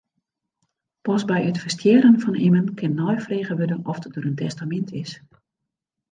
Pas by it ferstjerren fan immen kin neifrege wurde oft der in testamint is.